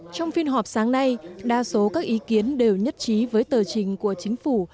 trong phiên họp sáng nay đa số các ý kiến đều nhất trí với tờ trình của chính phủ